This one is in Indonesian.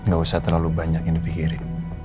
gak usah terlalu banyak yang dipikirin